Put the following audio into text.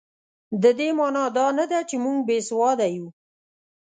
د دې مانا دا نه ده چې موږ بې سواده یو.